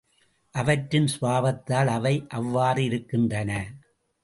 அவற்றின் சுபாவத்தால் அவை அவ்வாறிருக்கின்றன.